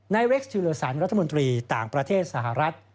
เร็กซ์ทิเลอสันรัฐมนตรีต่างประเทศสหรัฐ